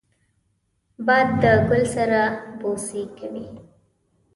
باد له ګل سره بوسې کوي